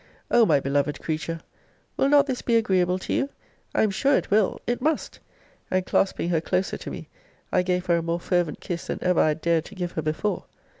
O my beloved creature, will not this be agreeable to you? I am sure it will it must and clasping her closer to me, I gave her a more fervent kiss than ever I had dared to give her before.